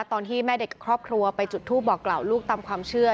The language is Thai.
ตอนที่แม่เด็กครอบครัวไปจุดทูปบอกกล่าวลูกตามความเชื่อ